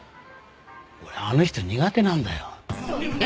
俺あの人苦手なんだよ。